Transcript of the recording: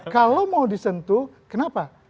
kalau mau disentuh kenapa